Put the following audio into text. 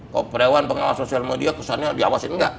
kalau dewan pengawas social media kesannya diawasin nggak